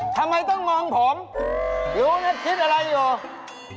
ทำไมต้องมองผมหรือว่าคิดอะไรอยู่